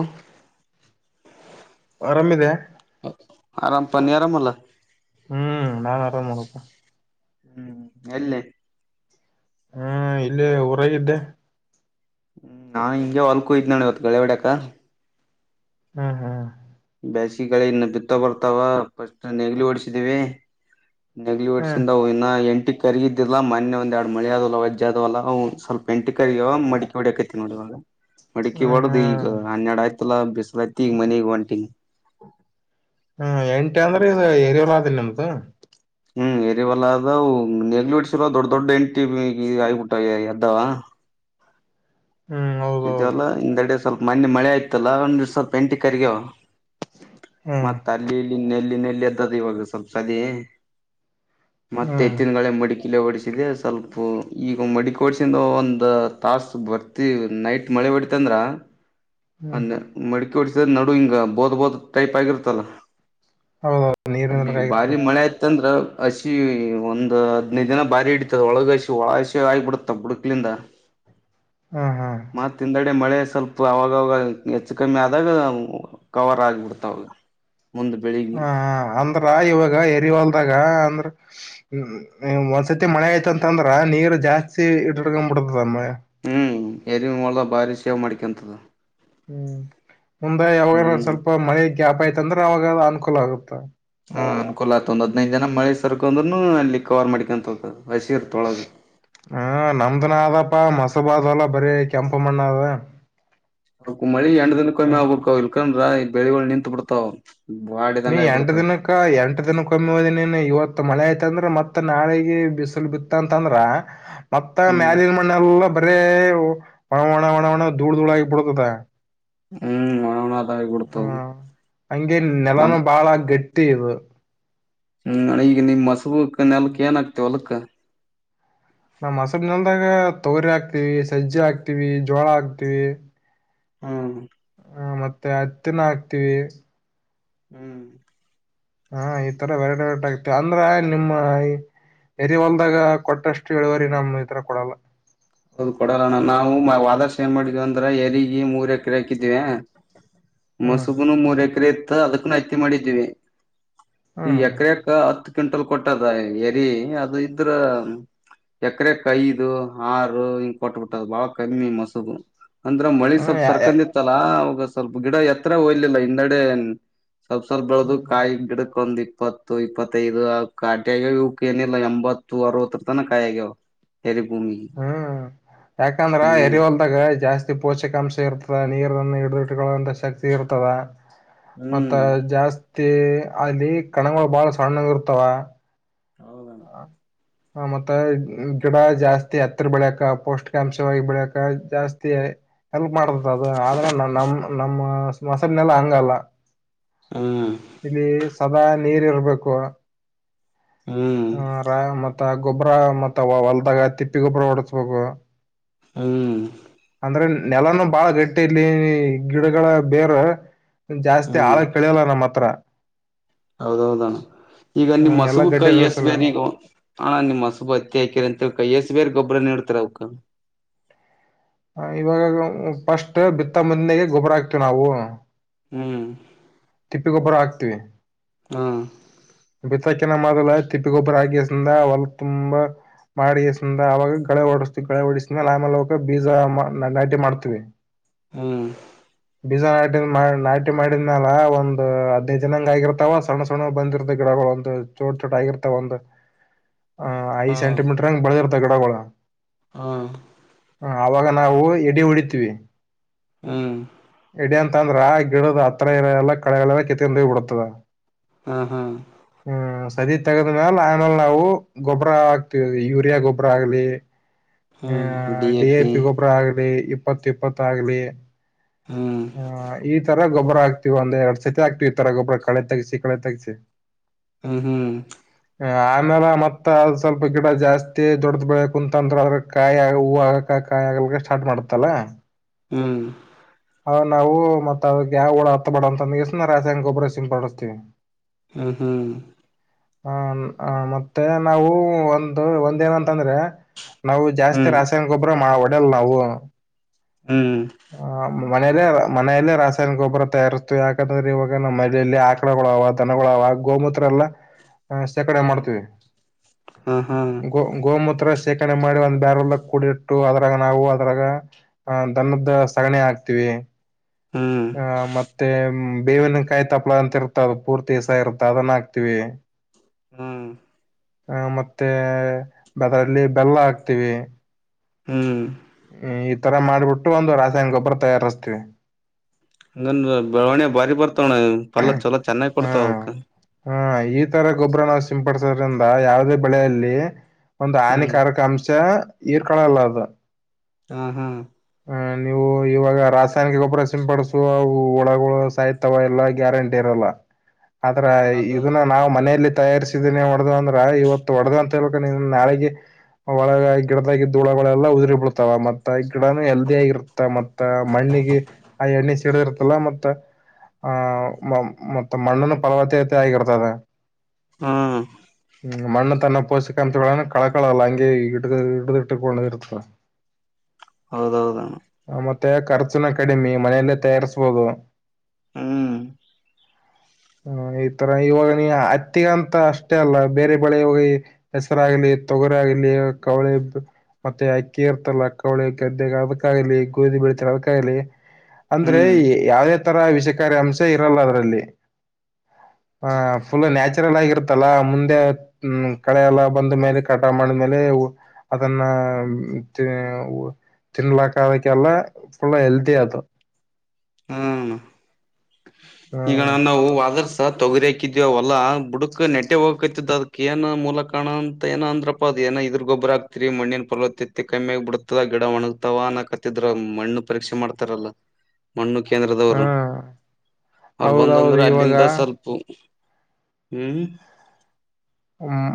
ಹ ಆರಾಮಿದ್ಯಾ. ಆರಾಮ ಪ ನೀ ಆರಾಮ ಅಲ್ಲ ಹ್ಮ್ ಆರಾಮ್ ಇದ್ದಾರೆ ನೋಡು ಹ್ಮ್ ಎಲ್ಲೇ ಹ್ಮ ಇಲ್ಲೇ ಊರಾಗಿದ್ದ. ಹ್ಮ್ ನಾನ್ ಹಿಂಗೆ ಹೊಲ್ಕು ಹೋಗಿದ್ನನ್ನ ಇವತ್ ಗಳೆವಾಡಕ. ಹ್ಮ್ ಹ್ಮ್ ಬೇಸಿಗೆ ಕಳಿ ಇನ್ನು ಬಿತ್ತ ಬರ್ತಾವ ಫಸ್ಟ್ ನೇಗಿಲ ಓಡ್ಸಿದೀವಿ. ಹ್ಮ್ ನೆಗ್ಿವಟ್ಸ್ಂದ ಎಂಟಿ ಕರಿಗ ಇದ್ದಿಲ್ಲಾ ಮೊನ್ನೆ ಒಂದ ಎರಡು ಮಳೆ ಆದದವಲ್ಲ ವಜ್ಜ ಆದ ಅವಲ್ಲ ಒ್ ಸ್ವಲ್ಪ ಎಂಟಿ ಕರಿಗ ಮಡಕೆ ಹೊಡಕೈತಿ ನೋಡಿ ಇವಾಗ ಮಡಕಿ ಹ್ಮ್ ಹೊಡದು ಈಗ ಹ್ಮ್ ಅನ್ನಡ ಆಯ್ತ್. ಮಲ್ಲ ಬಿಸಲತಿಯಿಗ ಮನೆಗಿ ಒಂಟಿನಿ ಹ್ಮ ಎಂಟ ಅಂದ್ರೆ ಇದ್ ಏರಿಯೋಲ ಆಿಲ್ಲ ನಮ್ದು. ಹ್ಮ್ ಎರಿವಲ್ಲ ಅದ ನೆಗ್ಲೆಟ್ಸರ ದೊಡ್ ದೊಡ್ಡ ಎಂಟಿ ಆಗಬಿಟ್ಟ ಎದ್ದಾವ ಹ್ಮ್ ಹೌದೌದು ಇದವಲ್ಲ ಹಿಂದೆಡೆ ಸ್ವಲ್ಪ ಮೊನ್ನೆ ಮಳೆ ಆಯ್ತಲ್ಲ ಒಂದ್ ಸ್ವಲ್ಪ ಎಂಟಿ ಕರಿಯ. ಹ್ಮ್ ಮತ್ ಅಲ್ಲಿ ಇಲ್ಲಿ ಇನ್ನೆಲ್ಲಿ ಇನ್ನೆಲ್. ಎದ್ದದ್ ಈಗ ಸ್ವಲ್ಪ ಸದಿ ಮತ್ತೆ ಹ್ಮ್ ಎತ್ತಿನಗಳೆ ಮಡಿಕಿಲೆ ಹೊಡಿಸಿದೆ ಸ್ವಲ್ಪ. ಈಗ ಮಡಿಕೋಡ್ಸಿಂದ ಒಂದ್ ತಾಸ ಬರ್ತಿ ನೈಟ್ ಮಳೆ ಬಡ್ತಂದ್ರ ಹ್ಮ್ ಅಂದ ಮಡಿಕ್.. [inaudible] ಿಸಿದ ನಡು ಹಂಗ ಬೋದ ಬೋದ್.. [inaudible] ೈಪ್ಾಗಿಿರುತಲ್ಲ... ಹೌದೌದು [inaudible] ಅಲ್ಲಿ ನೀರಿನ ಭಾರಿ ಆಗಿರ್ತಾವ ಮಳೆ ಆಯ್ತಂದ್ರ.. [unintelligible] ಹಸಿ ಒಂದ್ ಹದ್ನೈದು ದಿನ ಬಾರಿ ಇಡತದ ಒಳಗ ಹಸಿ ಒಳ ಹಸಿ ಆಗಬಿಡತ್ತ ಬುಡಕ್ಟ್ಸ್ಲಿಂಧ. ಹ್ಮ್ ಹ್ಮ್ ಮತ್ ತಿಂದಡೆ ಮಳೆ.. [inaudible] ಸ್ವಲ್ಪ ಅವಾಗಾಗ ಹೆಚ್ಚು ಕಮ್ಮಿ ಆದಾಗ ಕವರ್ ಆಗ್ಬಿತ್. ತ್ತೌದ.. [inaudible] ಹ ಹ ಅಂದ್ರ ಇವಾಗ ಎರಿವಾಲ್ದಾಗ ಅಂದ್ರ... [unintelligible] ಹ್ಮ್ ಒಂದ್ಸತಿ ಮಳೆ ಆಯ್ತಂತಂದ್ರ ನೀರ್ ಜಾಸ್ತಿ ಇಟ್ಡ್ಕೊಂಡ್ ಬಿಿಡ್ತದಮ್ಮ.. [unintelligible] [inaudible] ಏರಿ ಹೊಲಬ್ ಮ್ಮ್, ಮುಂದೆ ಯಾವಾಗ? ಆದರೂ ಹ್ಮ್ ಸ್ವಲ್ಪ ಮಳೆ... [inaudible] ಗ್ಯಾಪ್ ಅಯ್ತಂದ್ರ ಅವಾಗವ ಅನ್ಕೂಲ ಆಗತ್ತ. ಹ್ಮ್ ಅನ್ಕೂಲ ಅತ್ ಒಂದ್ ಹದ್ನೈದ್ ದಿನ ಮಳೆ ಸರ್ಕಂದ್ರೂನು ಅಲ್ಲಿ ಕವರ್ ಮಾಡ್ಕ್ಯಾಂತದ. ಮ್ಮ್, ನಮ್ಮದು ನಾವು ಅಪ್ಪ ಮಾಸೂರು ಬಾಲ್!.. [inaudible] ಹೊಲ ಬರೆ ಕೆಂಪು ಮಣ್ಣ್ ಅವೆ ಆ ಊ ಮ ಅಂಡದಲ್ಲಿ ಕೊಳ್ಳಕ್ಕೆ. [unintelligible] ಯಾಕಂದ್ರೆ ಬೆಳಗಲ್ ನಿಂತು ಬಿಡುತ್ತೆ ಅವೂ? [inaudible] ರಿ, ಎಂಟೂ ದಿನಕ, ಎಂಟೂ ದಿನಕೆ ಒಂದು ನೋಡಿದೀನಿ. ಮಳೆಯಾಗಿತ್ತು? ಇವತ್ತು ಮಳೆ ಆಯ್ತು. [unintelligible] ಮ್ಮ್, ಮತ್ತೆ ನಾಳೆಗೆ ಬಿಸಿಲು ಬೀಳುತ್ತದೆ? ಅಂದ್ರೆ? [inaudible] ಮತ್ತ ಹ್ಮ್ ಮ್ಯಾಲಿನ್ ಮಣ್ಣೇಲ್ಲ ಒಳ್ಳೆ, ಮಾನವನ ದೂಳ ಧೂಳ್ ಧೂಳ್ ಆಗಿ ಬೆಳಿತ.. [unintelligible] ಹ್ಮ್ಮ್. [inaudible] ಮ್ಮ್! ಹಾಂಗೆ? ನಮ್ ನೆಲನು ಬಾಳ ಗೇಟಿ. [inaudible] ತೀ ರು ಮ್ಮ್, ನಿಮ್ ಅಣ್ಣಾ! ನಿಮ್ ಹಸಿರು ದಾಗ?.. [inaudible] ಹೂ, ಕಣೋ ಹೇಳು, ಏನಕ್ಕೆ ಒಳಕ್ಕ.. [unintelligible] ದ ನಮ್ಮ, ಹಸಿರು ಹೊಲದಾಗ ತೊಗರಿಯಾಗ್ತಿವಿ? ಸಜ್ಜೆ ಹಾಕ್ತಿವಿ! ಗೋಳಾಕ್ತೀವಿ.. [unintelligible] ಹ್ಮ್ಮ್. ಹ ಮತ್ತೇ ಹತ್ತಿನ ಹಾಕ್ತಿವಿ. ಹ್ಮ್ ಆ ಇತರ ಬರ್ಡ್. ಔಟ್! ಆಗುತ್ತದೆ ಅಂದರೆ ನಿಮ್ಮ ಇರಿ. ಒಂದಾಗ, ಕೊಟ್ಟಷ್ಟು ಇಳಿಯುವಂತಷ್ಟು. ನಮ್ಮ ಕೊಡಲ್ಲ? [unintelligible] ಅದು ಕೊಡಲಣ ನಾವು ವಾದರ್ಶ ಏನ್ ಮಾಡಿದ್ವಿ ಅಂದ್ರೆ ಏರಿಗಿ ಮೂರ್ ಎಕ್ರೇ ಹಾಕಿದ್ವೆ. ಹ್ಮ್ ಮುಸದಿಂ ಮೊರೆಕೆರೆ.. [inaudible] ತಾ ಅದಕನು ಹತ್ತಿ ಮಾಡಿದ್ವಿ. ಈಗ್ ಹ್ಮ್ ಎಕರೆಕ ಹತ್ ಕ್ವಿಂಟಲ್ ಕೊಟ್ಟಾದ ಏರಿ ಅದು ಇದ್ರ ಎಕ್ರೇಕ ಐದು ಆರು ರೋ ಇಂಗ ಕೊಟ್ಬುಟ ಬಾಳ ಕಮ್ಮಿ ಮೊಸರು ಅಂದ್ರ ಮಳಿ ಹ್ಮ್ ಸ್ವಪ್ ಯಾ ಯಾ ಸರ್ಕಂಡಿತ್ತು ಅಲ್ಲ ಅವಾಗ್ ಸ್ವಲ್ಪ ಗಿಡ ಎತ್ರ ಹೋಲಿಲ್ಲ ಇಂದಡೆ ಸ್ವಲ್ಪ್ ಸ್ವಲ್ಪ್ ಬೆಳದು ಕಾಯಿ ಗಿಡಕ್ಕೊಂದಿ ಇಪ್ಪತ್ತು ಇಪ್ಪತೈದು ಅವಕ್ ಕಾಟಿಯಾಗ್ ಇವ್ಕೆನಿಲ್ಲ ಎಂಬತ್ತು ಅರವತ್ತರ ತನ್ ಕಾಯಿ ಆಗ್ಯಾವ ಏರಿ ಭೂಮಿಗಿ. ಹ್ ಯಾಕಂದ್ರ ಏರಿ ಹೊಲ್ದಾಗ ಜಾಸ್ತಿ ಪೋಷಕಾಂಶ ಇರ್ತ ಬಾಳ ನೀರನು ಹಿಡಿದು ಇತ್ಕೊಳುವಂಥ ಶಕ್ತಿ ಇರ್ತವ. ಮತ್ತ ಹ್ಮ್ ಜಾಸ್ ಮತ್ತೆ ಅಲ್ಲಿ ಕಣಗಳು ಬಾಳ ಸಣ್ಣುಗ್ ಇರ್ತಾವ. ಹೌದಣ ಹ ಮತ್ತ ಗಿಡ ಜಾಸ್ತಿ ಹತ್ತರ ಬೆಳಕ ಪೌಷ್ಟಿಕಾಂಶವಾಗಿ ಬೆಳಕ ಜಾಸ್ತಿ ಹೆಲ್ಪ್ ಮಾಡ್ತತ ಅದು ಆದ್ರೆ ನಾ ನಮ್ ನಮ್ಮ ಮೊಸರಿನೆೆಲ್ಲ ಹಂಗಲ್ಲ ಹ್ಮ್ ಇಲ್ಲಿ ಸದಾ ನೀರಿ ಇರ್ಬೇಕು ಹ್ಮ್ ಹ ರಾಮ ಮತ್ತ ಗೊಬ್ಬ್ರ ಮತ್ತ ಹೊಲ್ದಾಗ ತಿಪ್ಪಿ ಗೊಬ್ಬ್ರ ಹೊಡಸ್ಬೇಕು ಹ್ಮ್ ಅಂದ್ರೆ ನೆಲನು ಬಾಳ ಗಟ್ಟಿ ಇಲ್ಲಿ ನೀ ಗಿಡಗಳ ಬೇರ್ ಜಾಸ್ತಿ ಆಳ ಕಳಿಯಲ್ಲ ನಮ್ಮ್ ಹತ್ರ ಹೌದೌದಣ್ಣ ಈಗ ನಿಮ್ಮ್ ಎಲ್ಲಾ ಮಸುಬುಕ್ ಗಟ್ಟಿ ಎಸ್ ಇರಸಲ [unintelligible] ಹಾ ನಿಮ್ಮ ಅಸುಬ ಹತ್ತ ಹಾಕಿ ಅಂತೇಳಿ ಕೈಯಸ್ ಬೇ ಗೊಬ್ಬರನ್ನ ನೀಡ್ತೀರಿ ಅವ್ಕ ಇವಾಗ ಗ ಫಸ್ಟ್ ಬಿತ್ತ ಮುಂದೆಗೆ ಗೊಬ್ಬರ ಆಗ್ತಿವಿ ನಾವು ಹ್ಮ್ ತಿಪ್ಪಿಗೊಬ್ಬರ ಆಾಗ್ತಿವಿ ಹಾ ಬಿತ್ತಕಿನ ಮದಲ ತಿಪ್ಪಿ ಗೊಬ್ಬರ ಹಾಗೆಸಿಂದ ಹೊಲ ತುಂಬ ಮಾಡಿಸಿಂದ ಅವಾಗ ಗಳೆ ಹೊಡಸ್ತಿವಿ ಗಳೆ ಕೊಡಿಸಿದ್ಮೇಲೆ ಅವ್ಕ ಬೀಜ ನಾಟಿ ಮಾಡ್ತವಿ ಹ್ಮ್ ಬೀಜ ನಾಟಿ ನಾಟಿ ಮಾಡಿದ್ಮ್ಯಲ ಬಾಳಂದ್ರ ಒಂದ್ ಹದಿನೈದು ಅಂಗ ಆಗಿರ್ತಾವ ಸಣ್ಣ ಸಣ ಬಂದಿರ್ತಾವ ಗಿಡಗಳು ಒಂದು ಚೋಟ್ ಚೋಟ್ ಆಗಿರ್ತಾವ ಒಂದು ಹ ಐ ಹಾ ಸಂಟಿಮೀಟರ್ ಹಂಗ ಬಳದಿ ತಗಡಾಗೋಳ ಹಾ ಹ ಅವಾಗ ನಾವು ಎಡಿ ಹೊಡಿತೀವಿ ಹ್ಮ್ ಅಂತ ಅಂದ್ರ ಆ ಗಿಡದ ಹತ್ [unintelligible] ಎಲ್ಲ ಕಳಯೆಲ್ಲವ ಕಿತ್ಕಂಡ ಬಿಡುತ್ತವೆ ಹ್ಮ ಹ್ಮ್ ಹ್ಮ್ ಸರಿ ತಗದ್ಮ್ಯಾಲ ಆಮೇಲೆ ನಾವು ಗೊಬ್ಬ್ರ ಆಕ್ತವಿ ಯೂರಿಯಾ ಗೊಬ್ಬರ ಆಗ್ಲಿ ಹ ಡಿ ಎ ಪಿ ಗೊಬರ ಆಗಲಿ ಯು ಇಪ್ಪತ್ ಇಪ್ಪತ್ ಆಗಲೀ ಹ್ಮ್ ಹ ಈ ತರ ಗೊಬ್ಬರ ಆಗ್ತಿವಿ ಒಂದ್ ಎರಡ್ ಸ [unintelligible] ಈ ತರ ಗೊಬ್ರ ಕಳೆ ತೆಗ್ಸಿ ಕಳೆ ತೆಗ್ಸಿ ಹ್ಮ್ ಹ್ಮ್ ಆಮೇಲೆ ಮತ್ತ ಅದ್ ಸ್ವಲ್ಪ ಗಿಡ ಜಾಸ್ತಿ ದೊಡ್ದು ಬೇಕು ಅಂತ ಅಂತ್ರದ [unintelligible] ಕಾಯಿ ಆಗ ಹೂವು ಆಗಕ ಕಾಯಿ [unintelligible] ಸ್ಟಾರ್ಟ್ ಮಾಡುತ್ತಲ ಹ್ಮ್ ಅ ನಾವು ಮತ್ತ ಅದ ಯಾವ ಹುಳ ಹತ್ತ ಬಡ ಅಂತ [unintelligible] ರಾಸಾಯನಿಕ ಗೊಬ್ಬರ ಸಿಂಪಡುಸ್ತೀವಿ ಹ ಹ್ಮ್ ಹ ಹ ಮತ್ತೆ ನಾವೂ ಒಂದು ಒಂದೇನಂತಂದ್ರೆ ನಾವು ಜಾಸ್ತಿ ಹ್ಮ್ ರಾಸಾಯನ ಗೊಬ್ರ ಮಾಡಬಿಡ್ [unintelligible] ನಾವೂ ಹ್ಮ್ ಮನೆಯಲ್ಲೇ ಮನೆಯಲ್ಲೇ ರಾಸಾಯನಿಕ ಗೊಬ್ಬರ ತಯಾರುಸ್ತಿವ್ ಯಾಕಂತಂದ್ರೆ ಇವಾಗ ನಮ್ಮ್ ಮದೆಯಲ್ಲಿ ಆಕಳುಗಳವ ದನಗುಳವ ಗೋಮೂತ್ರ ಎಲ್ಲ ಹ ಶೇಕರ್ಣೆ ಹ್ಮ್ ಮಾಡ್ತೀವಿ ಹಾ ಹಾ ಗೋ ಗೋಮತ್ರ ಸಣೆ ಮಾಡಿ ಒಂದ್ ಬ್ಯಾರೆಲ್ಲ ಕೂಡಿಟ್ಟು ಅದ್ರಾಗ ನಾವು ಅದ್ರಾಗ ಆ ದನದ್ ಸಗಣಿ ಹಾಕ್ತೀವಿ ಹ್ಮ್ ಹ ಮತ್ತೆ ಮ್ ಬೇವಿನ ಕಾಯಿ ತಪ್ಪಪ್ಳ ಅಂತ ಇರುತ್ತ ಅದು ಪೂರ್ತಿಸ ಇರುತ್ತ ಅದನ್ನ ಹಾಕ್ತೀವಿ ಹ್ಮ್ ಹ ಮತ್ತೇ ಅದ್ರಲ್ಲಿ ಬೆಲ್ಲ ಹಾಕ್ತೀವಿ ಹ್ಮ್ ಮ್ ಈ ತರ ಮಾಡ್ಬಿಟ್ಟು ಒಂದು ರಾಸಾಯನ ಗೊಬ್ಬರ ತಯಾರುಸ್ತೀವಿ ಹಂಗನ್ದ್ ಬೆಳವಣಿಗೆ ಬಾರಿ ಬರ್ [unintelligible] ಪಲ್ಲ ಚಲೋ ಚೆನ್ನಾಗ್ ಕೊಡ್ತಾವ ಅದಕ್ ಹ್ಮ ಈ ತರ ಗೊಬ್ಬರನ ಸಿಂಪಡಸೋದ್ರಿಂದ ಯಾವುದೇ ಬೆಳೆಯಲ್ಲಿ ಒಂದು ಹ್ಮ್ ಹಾನಿಕಾರಕ ಅಂಶಾ ಹೀರ್ಕಳಲ್ಲ ಅದು ಹಾ ಹಾ ಹ ನೀವು ಇವಾಗ ರಾಸಾಯನಿಕ ಗೊಬ್ಬರ ಸಿಂಪಡಸುವ ಒಳಗ್ ಒಳಗ್ ಸಾಯ್ತಾವ ಎಲ್ಲ ಗ್ಯಾರಂಟಿ ಇರಲ್ಲ ಆದ್ರ ಹೌದಣ್ಣ ಅದು ಇದುನ್ನ ನಾವ್ ಮನೆಯಲ್ಲಿ ತಯಾರಿಸಿದೀನಿ ಹೊಡದು ಅಂದ್ರ ಇವತ್ತು [unintelligible] ನಾಳೆಗೆ ಒಳಗ ಗಿಡದಾಗಿದ್ ಹುಳಗಳೆಲ್ಲ ಉದ್ರಿ ಬಿಡ್ತಾವ ಮತ್ತ ಗಿಡಾನು ಹೆಲ್ದಿ ಆಗಿರ್ತ್ತ ಮತ್ತ ಮಣ್ಣಿಗೆ ಆ ಎಣ್ಣೆ ಸಿಡದಿರ್ತಲ್ಲ ಮತ್ತ ಆ ಮ ಮತ್ತ ಮಣ್ಣನು ಪಲಾವತ್ತತೆ ಆಗಿರ್ತದ ಹಾ ಮಣ್ಣು ತನ್ನ ಪೋಷಕಾಂಶಗಳನ್ನು ಕಳಕಳಲ್ಲ ಹಂಗೆ ಹಿಡಿದು ಹಿಡಿದುಟ್ಟುಕೊಂಡಿರುತ್ತಾ ಹೌದೌದು ಮತ್ತೆ ಖರ್ಚುನು ಕಡಿಮೆ ಮನೆಯಲ್ಲೇ ತಯಾರಿಸ್ಬಹುದು ಹ್ಮ್ ಹ ಈ ತರ ಇವಾಗ ನೀ ಹತ್ತಿಗೆ ಅಂತ ಅಷ್ಟೇ ಅಲ್ಲ ಬೇರೆ ಬಳೆ ಹೆಸರಾಗ್ಲಿ ತೊಗರಿ ಆಗ್ಲಿ ಕವಳೆ ಮತ್ತೆ ಅಕ್ಕಿ ಇರ್ತಲ್ಲ ಕವಳೆ ಗದ್ದೆಗೆ ಅದಕ್ಕಾಯಲಿ ಗೋಧಿ ಬೆಳಿತಾರೆ ಅದ್ಕಾಗಲಿ ಅಂದ್ರೆ ಹ್ಮ್ ಯಾವ ಯಾವ ಇ ತರ ವಿಷಕಾರಿ ಅಂಶ ಇರಲ್ಲ ಅದ್ರಲ್ಲಿ ಹ ಫುಲ್ ನ್ಯಾ ರಲ್ಲ ಆಗಿರುತ್ತಲ್ಲ ಮುಂದೆ ಹ್ಮ ಕಳೆಯೆಲ್ಲ ಬಂದ ಮೇಲೆ ಕಟಾವು ಮಾಡಿದ್ಮೇಲೆ ಅದನ್ನ ಹೂ ತಿನ್ಲಾಕ್ ಅದಕ್ಕೆಲ್ಲ ಫುಲ್ ಹೆಲ್ದಿ ಅದು ಹ್ಮ ಈಗಣ ಹ್ಮ್ ನಾವು ವಾದರ್ಶ ಸ ತೊಗರಿ ಹಾಕಿದ್ಯವ ಅವಲ್ಲಾ ಬುಡಕ್ ನೆಟ್ಟೆ ಹೋಗಕತಿದ್ ಅದಕ್ಕ ಏನ ಮೂಲಕಾರಣ ಅಂತ ಏನ ಅಂದ್ರಪ್ಪಾ ಅದ ಏನ ಇದ್ರ ಗೊಬ್ಬರ ಹಾಕ್ತೀರಿ ಮಣ್ಣಿನ ಪಲವತತ್ತೆ ಕಮ್ಮಿಯಾಗಿ ಬಿಡು ತದ ಗಿಡ ಒಣಗ್ತಾವ ಅನ್ನಕತ್ತಿದ್ರು ಮಣ್ಣು ಪರೀಕ್ಷೆ ಮಾಡ್ತಾರಲ್ಲ ಮಣ್ಣು ಕೇಂದ್ರದವರು ಹ್ಮ್ ಅವರು ಬಂದಂದ್ರ ಹೌದೌದು ಅಲ್ಲಿಂದ ಇವಾಗ ಸ್ವಲ್ಪ ಹ್ಮ್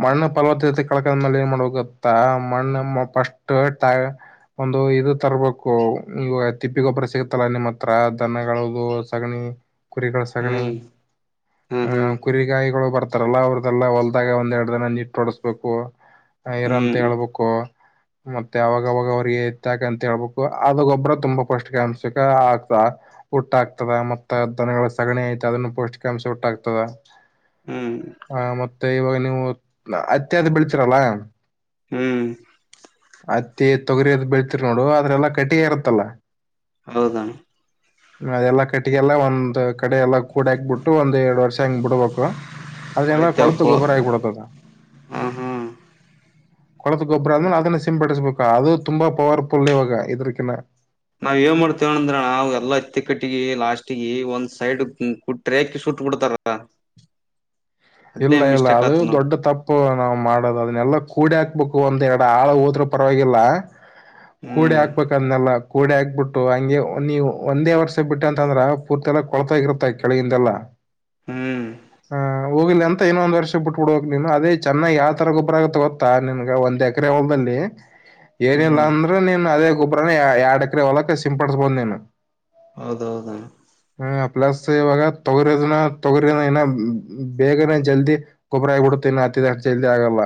ಮಣ್ಣು ಫಲವತತ್ತೆ ಕಳ್ಕೊಂಡ ಮೇಲೆ ಏನ ಮಾಡ್ಬೇಬೇಕುಗೊತ್ತ ಮಣ್ಣು ಫಸ್ಟ್ ಟೆ ಒಂದು ಇದು ತರ್ಬೇಕು ಈ ತಿಪ್ಪಿ ಗೊಬ್ಬರ ಸಿಗುತ್ತಲ್ಲ ನಿಮ್ಮ ಹತ್ರ ದನಗಳದು ಸಗಣಿ ಕುರಿಗಳ ಸಗಣಿ ಹ್ಮ್ ಹಾ ಹಾ ಆಹ ಕುರಿಗಾಯಿಗಳು ಬರ್ತ ರಲ್ಲ ಅವ್ರದಲ್ಲ ಹೊಲದ ಹಾಗ ಒಂದ್ ಎರಡು ದಿನ ನೀಟ್ ಹೋಡಸ್ಬೇಕು ಹಯರ ಅಂತ ಹ್ಮ್ ಹೇಳ್ಬೇಕು ಮತ್ತೆ ಅವಾಗವಾಗ ಅವ್ರಿಗೆ ಏತ್ಯಾಕ್ಕು ಅಂತ ಹೇಳ್ಬೇಕು ಅದು ಗೊಬ್ರ ತುಂಬಾ ಪೌಷ್ಟಿಕಾಂಶಕ ಆಗ್ತದ ಹುಟ್ಟ ಆಕ್ತದ ಮತ್ತ ದನಗಳ ಸಗಣಿ ಐತೆ ಅದನ್ನ ಪೌಷ್ಟಿಕಾಂಶ ಹುಟ್ಟಾಗ್ತದ ಹ್ಮ್ ಇವಾಗ ನೀವು ಅತ್ತಿ ಅದು ಬೆಳ್ತೀರಲ್ಲ ಆ ಹ್ಮ್ ಅತ್ತಿ ತೊಗರಿ ಅದ್ ಬೆಳೀತಿರಿ ನೋಡು ಅದ ರೆಲ್ಲಾ ಕಟಿ ಇರತ್ತಲ್ಲಾ ಹೌದ ನು ಅದೆಲ್ಲಾ ಕಟ್ಟಿಗೆಲ್ಲ ಒಂದ್ ಕಡೆ ಎಲ್ಲ ಕೂಡ್ಯಾಕ್ ಬಿಟ್ಟು ಒಂದ್ ಎರಡ್ ವರ್ಷ ಹಂಗ್ ಬಿಡ್ಬೇಕು ಅದೇಲ್ಲ ಹೊಳಿತಾವ್ ಕೊಳತ ಕೊ ಗೊಬ್ಬರ ಆಗಿಬಿಡತದ ಹಾ ಹಾ ಕೊಳತು ಗೊಬ್ಬರನು ಅದುನ್ನು ಅದು ಸಿಂಪಡಿಸಬೇಕ ಅದು ತುಂಬಾ ಪವರಪುಲ್ ಇವಾಗ ಇದ್ರಕಿನ್ನ ಕಟ್ಟಿಗೆ ಲಾಸ್ಟೀಗೆ ಒಂದ್ ಸೈಡ್ ಕುಟ್ರ್ಯಾಕಿ ಸುಟ್ ಬಿಡ್ತಾರಲ್ಲ ಇಲ್ಲ ಇಲ್ಲ ಅದು ದೊಡ್ಡ ತಪ್ಪು ನಾವ್ ಮಾಡೋದು ಅದನ್ನೆಲ್ಲಾ ಕೂಡಿ ಹಾಕ್ಬೇಕು ಒಂದ್ ಎರಡು ಹಾಳು ಹೋದ್ರೂ ಪರವಾಗಿಲ್ಲ ಕೂಡಿ ಹ್ಮ್ ಹಾಕ್ಬೇಕಂದ್ನಲ್ಲ ಕೂಡಿ ಹಾಕ್ಬಿಟ್ಟು ಹಂಗೆ ನೀವು ಒಂದೇ ವರ್ಷ ಬಿಟ್ಟ ಅಂತಂದ್ರ ಪೂರ್ತಿ ಎಲ್ಲ ಕೊಳತೋಗಿರುತ್ತಾ ಕೆಳಗಿಂದೇಲ್ಲಾ ಹ್ಮ್ ಹೋಗ್ಲಿ ಅಂತ ಇನೊಂದ್ ವರ್ಷ ಬಿಟ್ಬ ಬಿಡಕ್ ನೀನು ಅದೇ ಚೆನ್ನಾಗ್ ಯಾವ ತರ ಗೊಬ್ರ ಆಗತ್ತ ಗೊತ್ತಾ ನಿನ್ಗ ಒಂದ್ ಎಕರೆ ಹೊಲದಲ್ಲಿ ದಲ್ಲಿ ಏನಿಲ್ಲ ಹ್ಮ್ ಅಂದ್ರೆ ನೀನ್ ಅದೇ ಒಬ್ರ ಎರಡ್ಕರೆ ಹೊಲಕ್ ಸಿಂಪಡಸ ಬಂದ್ೆನು ಹೌದೌದಾ ಹ್ಮ ಪ್ಲಸ್ ಇವಾಗ ತೊಗರಿಿದನ ತೊಗರಿನ ಇನ್ನ ಬೇಗನೆ ಜಲ್ದಿ ಗೊಬ್ಬರ ಆಗ್ಬಿಡುತ್ತೆ ಇನ್ನು ಹತ್ತಿದಷ್ಟು ಜಲ್ದಿ ಆಗಲ್ಲ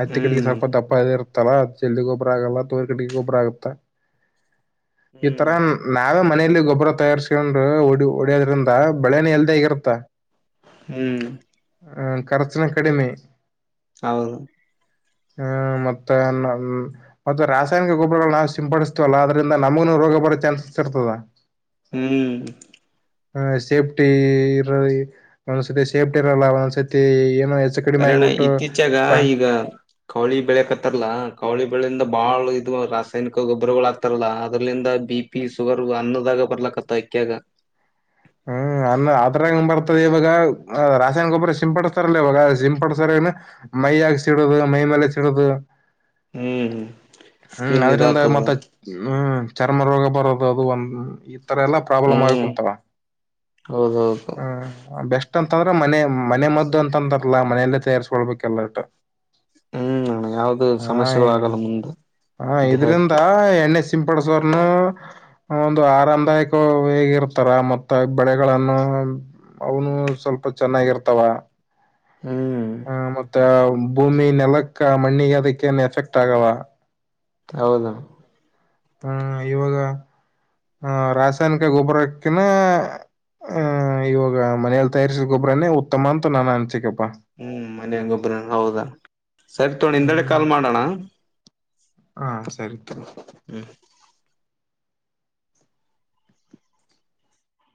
ಹತ್ತೆ ಕಡೆಿಗೆ ಹ್ಮ್ ಸ್ವಲ್ಪ ದಪ್ಪ ಇದೆ ತ್ತಲ್ಲಾ ಜಲ್ದ ಗೊಬ್ರ ಆಗಲ್ಲ ತೋರ್ ಕಡೆಿಗೆ ಗೊಬ್ರ ಆಗುತ್ತ ಈತರ ನಾವೇ ಮನಲಿ. ಗೊಬರ ತಯಾರ ತಿಕೊಂಡ ಹೊಡಿಯೋದ್ರಿಂದ ಬೆಳೆನ ಎಲ್ದೇ ಆಗಿರುತ್ತ ಹ್ಮ್ ಹ ಖರ್ಚಿನ ಕಡಿಮೆ ಹೌದು ಹ್ಮ್ ಮತ್ತ ಮತ್ತೆ ರಾಸಾಯನಿಕ ಗೊಬ್ಬರಗಳು ನಾವು ಸಿಂಪಡಿಸ್ತೀವಲ್ಲ ಆದದ್ರಿಂದ ನಮಗನುೂ ರೋಗ ಬರೋ ಚಾನ್ಸಸ್ ಇರ್ತದ ಹ್ಮ್ ಆ ಸೇಫ್ಟಿ ಇರ ಒಂದ್ಸತಿ ಸೇಫ್ಟಿ ಇರಲ್ಲ ಒಂದೊಂದ್ಸತಿ ಕಾರಣ ಇತ್ತೀಚಾಗ ಈಗ ಕೌಳಿ ಬೆಳಕತ್ತಾರಲ್ಲ ಕೌಳಿ ಬೆಳೆಯಿಂದ ಬಾಳ ಇದು ರಾಸಾಯನಿಕ ಗೊಬ್ಬರಗಳು ಆಗ್ತಾರಲ್ಲ ಅದ್ರಲಿಂದ ಬಿ ಪಿ ಶುಗರ್ ಅನ್ನದಾಗ ಬರ್ಲ ಕತ್ತ ಎಕ್ಯಾಗ ಹ್ಮ್ ಅನ್ನ ಆರ್ ಬರ್ತದೆ ಇವಾಗ ಅ ರಾಸಾಯನ ಗೊಬ್ರ ಸಿಂಪಡಸ್ತಾರಲ್ಲ ಇವಾಗ ಸಿಂಪಡ್ಸಾರ ಏನು ಮೈಯಗ ಸಿಡುದು ಮೈ ಮೇಲೆ ಸಿಡುದು ಹ್ಮ್ ಹ್ಮ್ ಸ್ಕಿನ್ ಅದ್ರಿಂದ ಇದಾತದ ಮತ್ತೆ ಹ್ಮ್ ಚರ್ಮ ರೋಗ ಬರೋದು ಅದು ಒಂದು ಇ ಈ ತರ ಎಲ್ಲಾ ಪ್ರಾಬ್ಲಮ್ ಆಗುಂಂತ ಹೌದೌದೌದು ಅಷ್ಟ ಅಂತಂದ್ರ ಮನೆ ಮನೆ ಮದ್ದು ಅಂತಾರಲ್ಲ ಮನೆಯಲ್ಲೇ ತಯಾರಸ್ಕೊಳ್ಬೇಕಲ್ಲ ಅಷ್ಟು ಹ್ಮ್ ಯಾವ್ದ ಹಾಯ್ ಸಮಸ್ಯೆಗಳು ಆಗಲ್ಲ ಮುಂದೆ ಹಾ ಹ ಇೇ ಇದ್ರಿಂದ ಹಾಕಿ ಎಣ್ಣೆ ಸಿಂಪಡಸೋರ್ನು ಒಂದು ಆರಾಮದಾಯಕ ಹೇಗ ಇರ್ತಾರ ಮತ್ತ ಬಳೆಗಳನ್ನು ಅವನು ಸ್ವಲ್ಪ ಚೆನ್ನಾಗಿರ್ತಾವ ಹಾ ಹ ಮತ್ತ ಭೂಮಿ ನೆಲಕ್ಕ ಮಣ್ಣಿಗೆ ಅದಕ್ಕೇಏನ್ ಎಫೆಕ್ಟ್ ಆಗಲ್ಲ ಹೌದ ಇವಾಗ ಆಹ ರಾಸಾಯನಿಕ ಗೊಬ್ಬರಕ್ಕಿನ ಆಹ ಇವಾಗ ಮನೇೆಯಲ್ಲಿ ತಯಾರಿಸಿದ ಗೊಬ್ಬರನೇ ಉತ್ತಮ ಅಂತ ನಾನನ್ ಅನ್ಸಿಕೆಪ್. ಹ್ಮ್ ಮನ ಹಂಗೊಬ್ರ ಹೌದಾ ಸರಿ ತೋಣ ಹಿಂದೆಡೆ ಹ್ಮ್ ಕಾಲ್ ಮಾಡೋಣ ಹಾ ಸರಿತರಿ ಹ್ಮ್